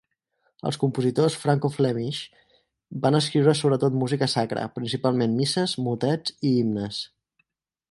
Els compositors Franco-Flemish van escriure sobretot música sacra, principalment misses, motets i himnes.